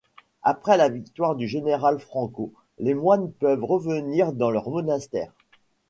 Après la victoire du général Franco, les moines peuvent revenir dans leur monastère.